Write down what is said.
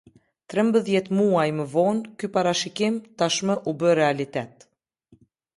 Trembëdhjetë muaj më vonë ky parashikim tashmë u bë realitet.